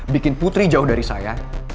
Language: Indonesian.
bikin putri jauh dari saya